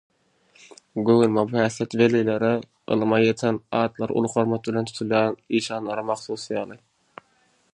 Göwnüme bu häsiýet welilere, ylymy ýeten, atlary uly hormat bilen tutulýan işanlara mahsus ýaly.